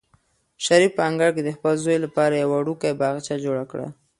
شریف په انګړ کې د خپل زوی لپاره یو وړوکی باغچه جوړه کړه.